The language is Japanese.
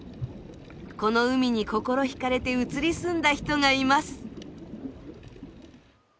この海に心引かれて移り住んだ人がいます。